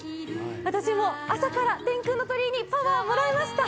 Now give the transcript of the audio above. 私も朝から天空の鳥居にパワーをもらいました。